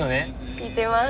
聴いてます。